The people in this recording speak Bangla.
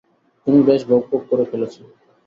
তুমি বেশি বক বক করে ফেলেছ!